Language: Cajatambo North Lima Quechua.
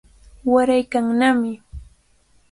Waraykannami.